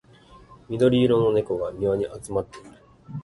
緑色の猫が庭に集まっている